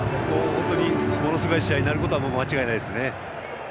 本当にものすごい試合になることは間違いないですね。